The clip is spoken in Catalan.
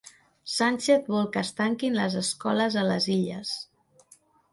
Sánchez vol que es tanquin les escoles a les Illes